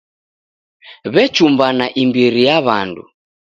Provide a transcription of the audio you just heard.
W'echumbana imbiri ya w'andu.